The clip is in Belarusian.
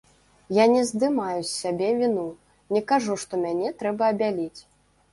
Я не здымаю з сябе віну, не кажу, што мяне трэба абяліць.